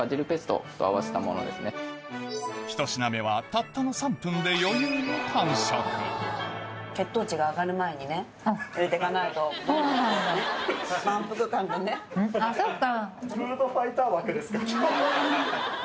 １品目はたったの３分であっそっか。